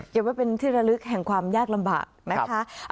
เก็บไว้เป็นที่ระลึกแห่งความยากลำบากนะคะ